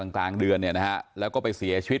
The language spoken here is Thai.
กลางเดือนเนี่ยนะฮะแล้วก็ไปเสียชีวิต